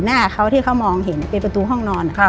หน้าเขาที่เขามองเห็นเป็นประตูห้องนอน